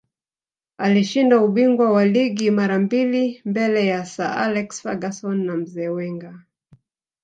alishinda ubingwa wa ligi mara mbili mbele ya sir alex ferguson na mzee wenger